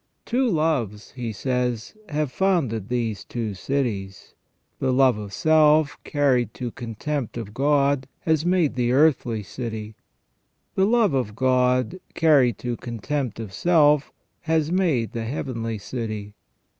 Two loves, he says, have founded these two cities. The love of self, carried to contempt of God, has made the earthly city ; the love of God, carried to contempt of self, has made the heavenly city.